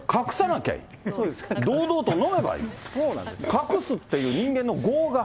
隠すっていう人間の業が。